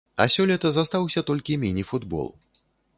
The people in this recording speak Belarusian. А сёлета застаўся толькі міні-футбол.